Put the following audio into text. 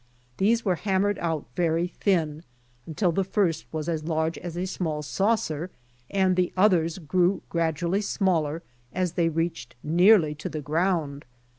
These were hammered out very thin, until the first was as large as a small saucer, and the others grew gradu ally smaller as they reached nearly to the ground.